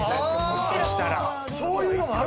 もしかしたら。